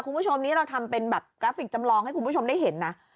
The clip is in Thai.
คุณผู้ชมนี้เราทำเป็นแบบกราฟิกจำลองให้คุณผู้ชมได้เห็นนะ